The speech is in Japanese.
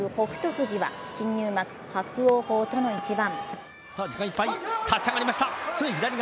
富士は新入幕・伯桜鵬との一番。